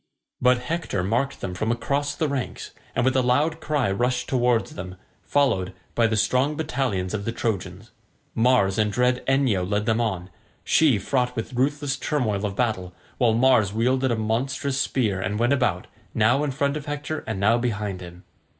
But Hector marked them from across the ranks, and with a loud cry rushed towards them, followed by the strong battalions of the Trojans. Mars and dread Enyo led them on, she fraught with ruthless turmoil of battle, while Mars wielded a monstrous spear, and went about, now in front of Hector and now behind him.